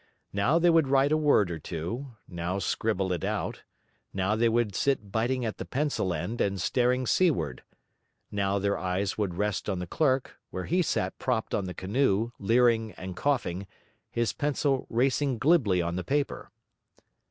Now they would write a word or two, now scribble it out; now they would sit biting at the pencil end and staring seaward; now their eyes would rest on the clerk, where he sat propped on the canoe, leering and coughing, his pencil racing glibly on the paper.